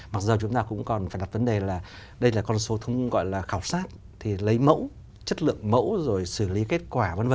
mặc dù chúng ta cũng còn phải đặt vấn đề là đây là con số gọi là khảo sát thì lấy mẫu chất lượng mẫu rồi xử lý kết quả v v